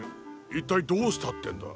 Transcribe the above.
一体どうしたってんだ？